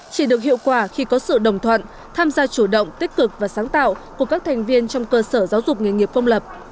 chỉ được hiệu quả khi có sự đồng thuận tham gia chủ động tích cực và sáng tạo của các thành viên trong cơ sở giáo dục nghề nghiệp công lập